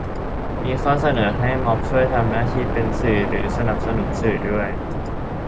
มีข้อเสนอให้ม็อบช่วยทำหน้าที่เป็นสื่อหรือสนับสนุนสื่อด้วย